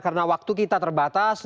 karena waktu kita terbatas